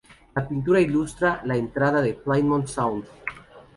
La pintura ilustra la entrada a Plymouth Sound.